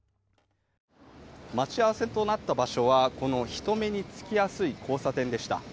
待ち合わせとなった場所は人目に付きやすい交差点でした。